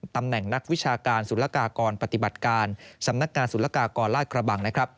ตำแหน่งนักวิชาการสุรกากรปฏิบัติการสำนักงานสุรกากรลาดกระบัง